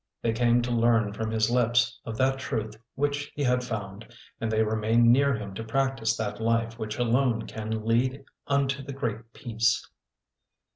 They came to learn from his lips of that truth which he had found, and they remained near him to practise that life which alone can lead unto the Great Peace.